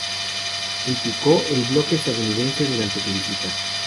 Criticó el bloqueo estadounidense durante su visita.